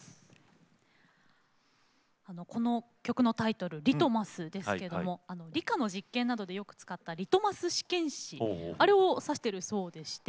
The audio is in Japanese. この曲のタイトル「ＬＩＴＭＵＳ」ですけども理科の実験などでよく使ったリトマス試験紙あれを指してるそうでして。